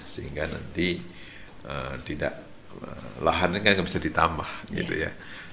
sehingga nanti tidak lahannya kan bisa ditambah gitu ya